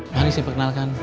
mari saya perkenalkan